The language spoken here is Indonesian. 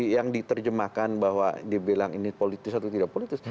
yang diterjemahkan bahwa dibilang ini politis atau tidak politis